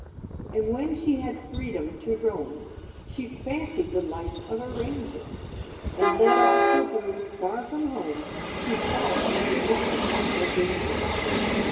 And when she had freedom to roam, She fancied the life of a ranger; And led off her brood, far from home, To fall into mischief or danger.